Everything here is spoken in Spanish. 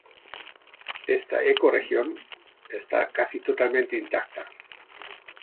Esta ecorregión está casi totalmente intacta.